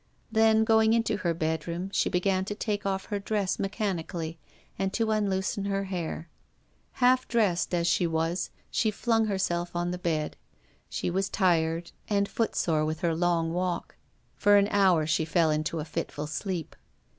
Then, going into her bedroom, she began to take off her dress mechanically and to unloosen her hair. Half dressed as she was, she flung herself on the bed. She was tired and foot sore with her long walk For an hour she fell into a fitful sleep.